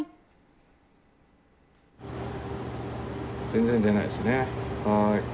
全然出ないですね。